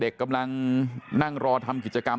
กำลังนั่งรอทำกิจกรรม